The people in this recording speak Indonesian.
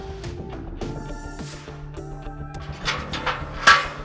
tapi pak polisi bisa nemui ibu rosa